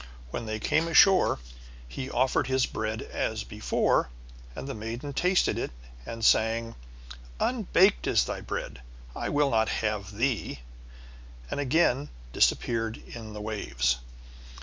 When they came ashore he offered his bread as before, and the maiden tasted it and sang: "Unbaked is thy bread, I will not have thee," and again disappeared in the waves.